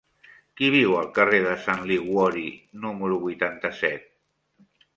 Qui viu al carrer de Sant Liguori número vuitanta-set?